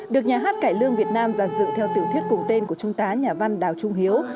được nhà hát cải lương việt nam giàn dựng theo tiểu thuyết cùng tên của trung tá nhà văn đào trung hiếu